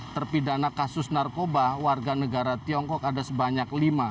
terpidana kasus narkoba warga negara tiongkok ada sebanyak lima